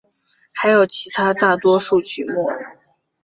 还有其他大多数曲目。